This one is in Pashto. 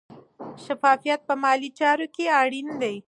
شفافیت په مالي چارو کې اړین دی.